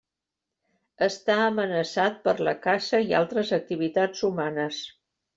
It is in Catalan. Està amenaçat per la caça i altres activitats humanes.